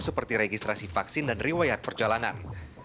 seperti registrasi vaksin dan riwayat perjalanan